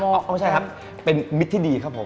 ไม่ใช่ครับเป็นมิตรที่ดีครับผม